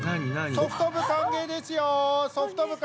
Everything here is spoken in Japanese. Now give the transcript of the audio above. ソフト部歓迎です。